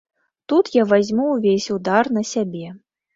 Тут я вазьму ўвесь удар на сябе.